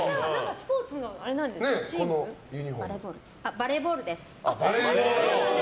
バレーボールです。